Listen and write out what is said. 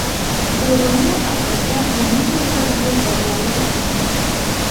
د روهیال او پتیال په منډو ترړو بریالی شوم.